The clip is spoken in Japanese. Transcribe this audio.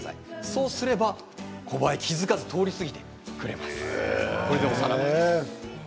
そうするとコバエが気付かずに通り過ぎてくれます。